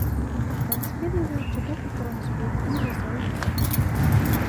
بایسکل یو له چټکو ترانسپورتي وسیلو څخه دی.